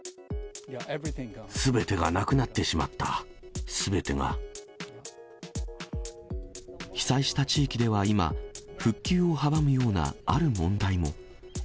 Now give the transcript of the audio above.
すべてがなくなってしまった、被災した地域では今、復旧を阻むようなある問題も。